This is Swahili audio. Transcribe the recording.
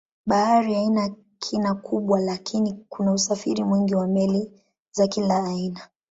Bahari haina kina kubwa lakini kuna usafiri mwingi wa meli za kila aina.